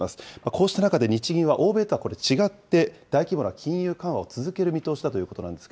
こうした中で日銀は、欧米とは違って、大規模な金融緩和を続ける見通しだということなんです